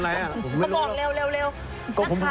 บอกเร็ว